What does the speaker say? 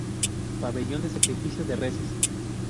Pabellón de sacrificio de reses.